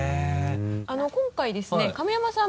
今回ですね亀山さん